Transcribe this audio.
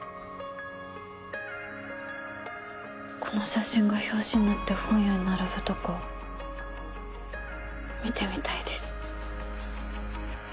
この写真が表紙になって本屋に並ぶとこ見てみたいです